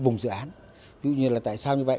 ví dụ như là tại sao như vậy